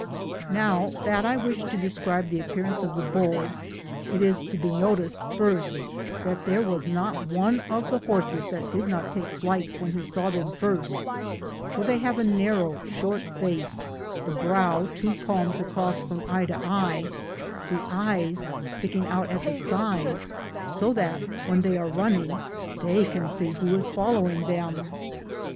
Now that I wish to describe the appear ance of the bulls, it i3 to be noticed first that there was not one of the horses that did not take flight when he saw them first, for they have a narrow, short face, the brow two palms across from eye to eye, the eyes stick ing out at the side, so that, when they are HijiNzsi i,, Google THE JOURNEY OP COBONADO running, the; can see who is following them.